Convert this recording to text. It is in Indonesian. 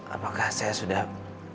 apakah saya sudah